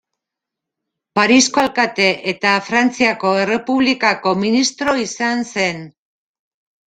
Parisko alkate eta Frantziako Errepublikako ministro izan zen.